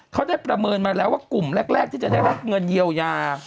เขาได้ประเมินมาแล้วว่ากลุ่มแรกที่จะได้รับเงินเยียวยา